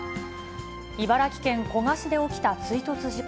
茨城県古河市で起きた追突事故。